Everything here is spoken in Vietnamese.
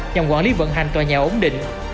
nhằm quản lý vận hành tòa nhà ổn định